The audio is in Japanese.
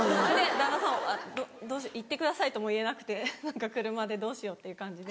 旦那さんは行ってくださいとも言えなくて何か車でどうしようっていう感じで。